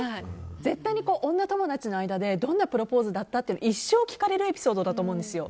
絶対に女友達の間でどんなプロポーズだった？って一生聞かれるエピソードだと思うんですよ。